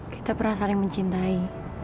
kita pernah saling mencintai